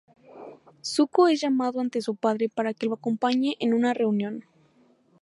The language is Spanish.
Zuko es llamado ante su padre para que lo acompañe en una reunión.